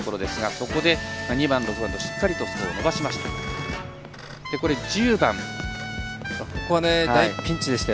そこで、２番、６番としっかりスコア伸ばしました。